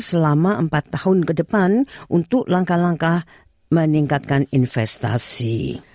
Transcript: selama empat tahun ke depan untuk langkah langkah meningkatkan investasi